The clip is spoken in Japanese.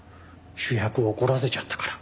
主役を怒らせちゃったから。